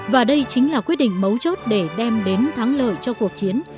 và đây chính là quyết định mấu chốt để đem đến thắng lợi cho cuộc chiến